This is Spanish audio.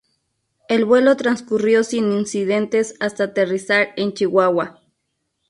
El vuelo transcurrió sin incidentes hasta aterrizar en Chihuahua.